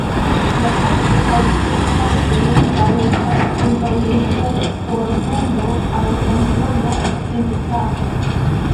La planto kaj ĉiuj partoj ankaŭ estas kontraŭleĝaj por vendo aŭ transdono en Teksaso.